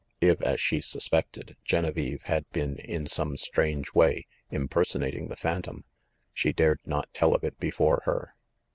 If, as she suspected, Genevieve had been, in some strange way, impersonating the phantom, she dared not tell of it before her.